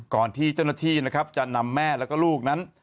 ก่อนที่เจ้าหน้าที่นะครับจะนำแม่แล้วก็ลูกนั้น